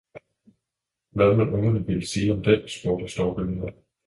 »Hvad mon Ungerne ville sige om den?« spurgte Storkemoder.